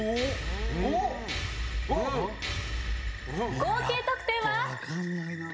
合計得点は。